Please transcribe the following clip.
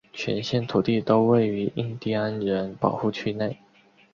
全县土地都位于印地安人保护区内。